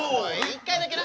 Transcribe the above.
一回だけな。